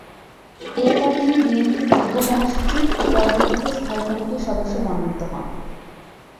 এরপর তিনি বিএনপির যুগ্ম মহাসচিব ও পরবর্তীতে স্থায়ী কমিটির সদস্য মনোনীত হন।